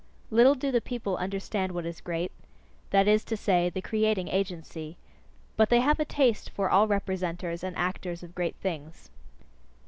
Little do the people understand what is great that is to say, the creating agency. But they have a taste for all representers and actors of great things.